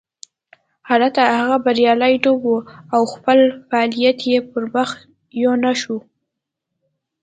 هلته هغه بریالی نه و او خپل فعالیت یې پرمخ یو نه شو.